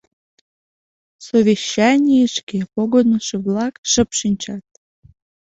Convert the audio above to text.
Совещанийышке погынышо-влак шып шинчат.